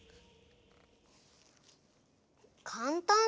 かんたん